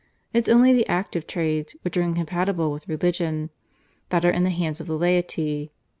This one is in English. It's only the active trades, which are incompatible with Religion, that are in the hands of the laity.